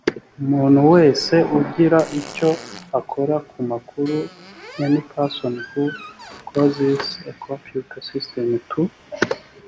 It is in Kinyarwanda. umuntu wese ugira icyo akora ku makuru any person who causes a computer system to